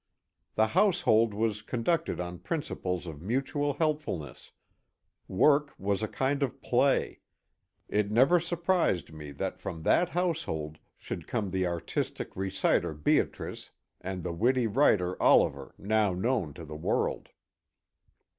The household was conducted on principles of mutual helpfulness; work was a kind of play ; it never surprised me that from that house hold should come the artistic reciter Beatrice and the witty writer Oliver now known to the world.